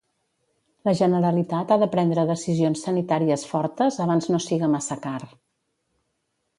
La Generalitat ha de prendre decisions sanitàries fortes abans no siga massa car.